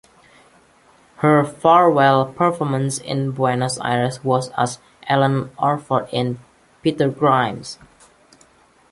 Her farewell performance in Buenos Aires was as Ellen Orford in "Peter Grimes".